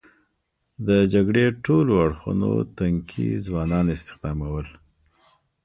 د جګړې ټولو اړخونو تنکي ځوانان استخدامول.